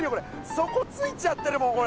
そこついちゃってるもんこれ！